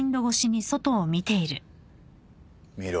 見ろ。